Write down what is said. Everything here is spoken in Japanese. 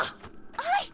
はい！